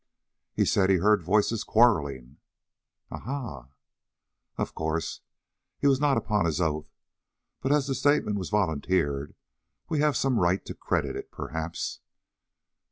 "He said he heard voices quarrelling." "Ah!" "Of course he was not upon his oath, but as the statement was volunteered, we have some right to credit it, perhaps."